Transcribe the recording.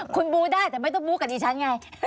คุณบูได้แต่ไม่ต้องบู๊กับดิฉันไง